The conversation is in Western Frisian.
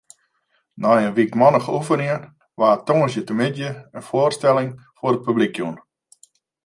Nei in wykmannich oefenjen waard tongersdeitemiddei in foarstelling foar publyk jûn.